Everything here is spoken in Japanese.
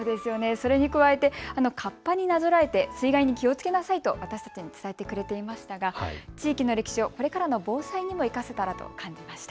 それに加えてかっぱになぞらえて水害に気をつけなさいと私たちに伝えてくれていましたが地域の歴史をこれからの防災にも生かせたらと感じました。